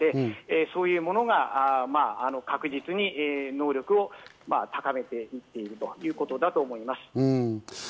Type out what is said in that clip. そういうものが確実に能力を高めていっているということだと思います。